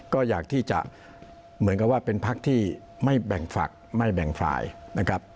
ก็อยากที่จะเหมือนกับว่าเป็นพักที่ไม่แบ่งฝักไม่แบ่งฝ่ายนะครับ